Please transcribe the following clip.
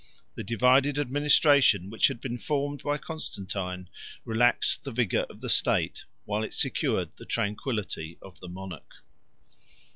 The divided administration which had been formed by Constantine, relaxed the vigor of the state, while it secured the tranquillity of the monarch.